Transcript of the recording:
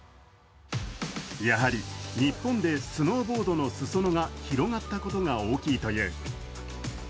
やはり日本でスノーボードのすそ野が広がったことが大きいという。